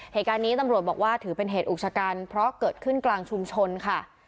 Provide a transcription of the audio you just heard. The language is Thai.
เหตุการณ์นี้ตำรวจบอกว่าถือเป็นเหตุอุกชะกันเพราะเกิดขึ้นกลางชุมชนค่ะ